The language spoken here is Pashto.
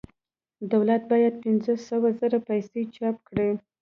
دولت باید پنځه سوه زره پیسې چاپ کړي